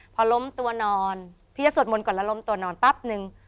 พอล้มตัวนอนพี่จะสวดมนต์ก่อนแล้วล้มตัวนอนปั๊บนึง